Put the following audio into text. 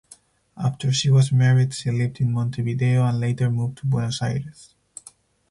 After she was married she lived in Montevideo and later moved to Buenos Aires.